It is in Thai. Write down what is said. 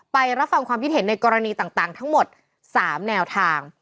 รับฟังความคิดเห็นในกรณีต่างทั้งหมด๓แนวทาง